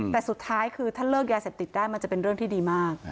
แต่สุดท้ายคือถ้าเลิกยาเสพติดได้มันจะเป็นเรื่องที่ดีมาก